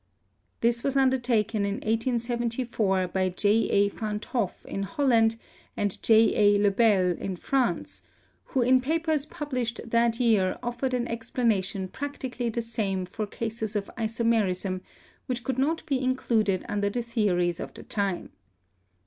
This was undertaken in 1874 by J. H. Van't Hoff in Hoi VALENCE 249 land and J. A. Le Bel in France, who in papers published that year offered an explanation practically the same for cases of isomerism which could not be included under the theories of the time.